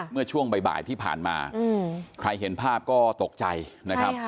เมื่อช่วงบ่ายที่ผ่านมาใครเห็นภาพก็ตกใจนะครับ